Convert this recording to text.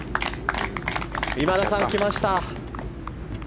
今田さん、きました。